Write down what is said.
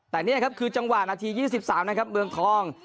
แต่นี่ครับคือจังหวะนาที๒๓นะครับเมืองทอง